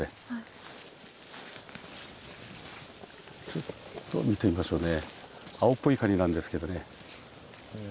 ちょっと見てみましょうね。